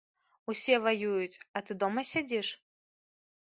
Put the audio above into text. Усе ваююць, а ты дома сядзіш?